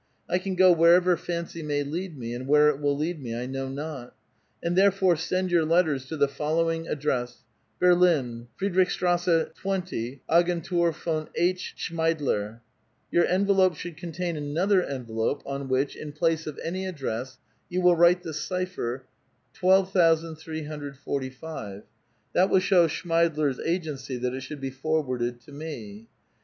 I can go wherever fancy ma}' lead me, and where it will lead me I know not ; and therefore send your letters to the follow ing address : Berlin, Friedrich Strasse 20, Agentur von H. Schraeidler. Your envelope should contain another envelope on which, in place of any address, you will write the cypher 12,345 ; that will show Schmeidler's agency that it sliould be forwarded to me.